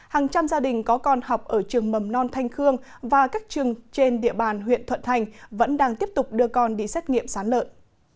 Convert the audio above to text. hàng trăm gia đình có con học ở trường mầm non thanh khương và các trường trên địa bàn huyện thuận thành vẫn đang tiếp tục đưa con đi xét nghiệm sán lợn